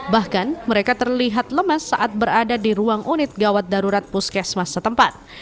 bahkan mereka terlihat lemas saat berada di ruang unit gawat darurat puskesmas setempat